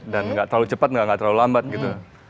dan tidak terlalu cepat tidak terlalu lambat gitu